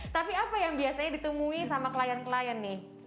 tapi apa yang biasanya ditemui sama klien klien nih